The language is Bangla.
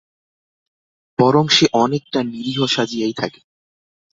বরং সে অনেকটা নিরীহ সাজিয়াই থাকে।